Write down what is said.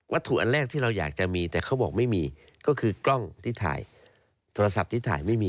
ถูกอันแรกที่เราอยากจะมีแต่เขาบอกไม่มีก็คือกล้องที่ถ่ายโทรศัพท์ที่ถ่ายไม่มี